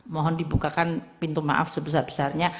mohon dibukakan pintu maaf sebesar besarnya